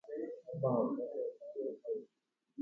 Omba'apo tetãre avei.